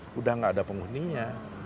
sudah tidak ada penghuninya